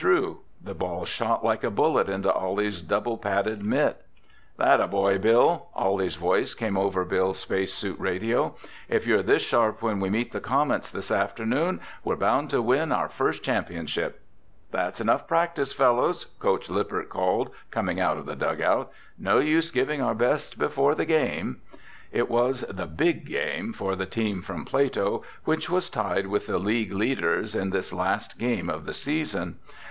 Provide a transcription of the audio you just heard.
The ball shot like a bullet into Ollie's double padded mitt. "Thatta boy, Bill!" Ollie's voice came over Bill's space suit radio. "If you're this sharp when we meet the Comets this afternoon, we're bound to win our first championship!" "That's enough practice, fellows!" Coach Lippert called, coming out of the dugout. "No use giving our best before the game!" It was the big game for the team from Plato, which was tied with the league leaders in this last game of the season.